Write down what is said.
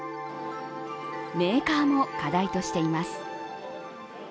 メーカーも課題としています。